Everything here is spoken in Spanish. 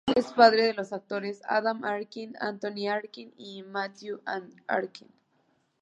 Es padre de los actores Adam Arkin, Anthony Arkin y Matthew Arkin.